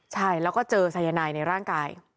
ใช่แล้วก็เจอสายนายในร่างกาย